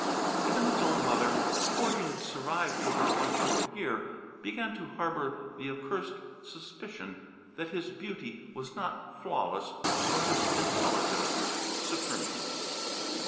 Even his own mother, before he had survived to her one short year, began to harbour the accursed suspicion that his beauty was not flawless nor his intelligence supreme.